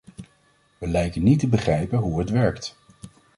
We lijken niet te begrijpen hoe het werkt.